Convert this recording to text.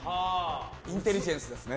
インテリジェンスですね。